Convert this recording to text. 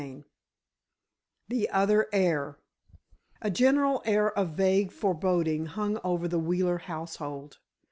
CHAPTER VI THE OTHER HEIR A general air of vague foreboding hung over the Wheeler household.